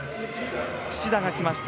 土屋がきました。